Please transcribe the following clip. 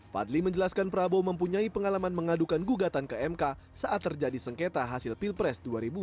fadli menjelaskan prabowo mempunyai pengalaman mengadukan gugatan ke mk saat terjadi sengketa hasil pilpres dua ribu sembilan belas